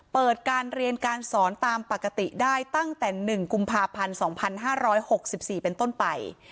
เปิดการเรียนการสอนตามปกติได้ตั้งแต่๑กุมภาพันธ์๒๕๖๔เป็นต้นไป